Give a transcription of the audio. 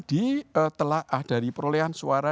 di telah dari perolehan suara